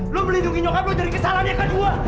lo melindungi nyokap lo dari kesalahan yang kedua